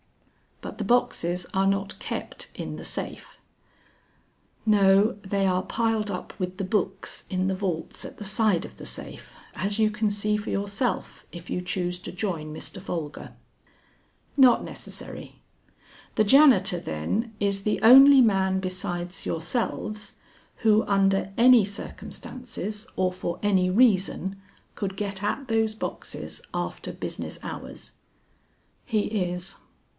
"But the boxes are not kept in the safe?" "No, they are piled up with the books in the vaults at the side of the safe, as you can see for yourself, if you choose to join Mr. Folger." "Not necessary. The janitor, then, is the only man besides yourselves, who under any circumstances or for any reason, could get at those boxes after business hours?" "He is."